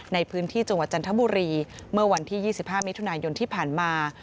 ในพื้นที่จังหวัดจันทบุรีเมื่อวันที่๒๕มิถุนายนที่ผ่านมา